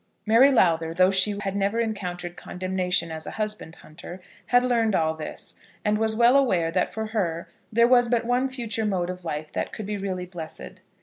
Mary Lowther, though she had never encountered condemnation as a husband hunter, had learned all this, and was well aware that for her there was but one future mode of life that could be really blessed.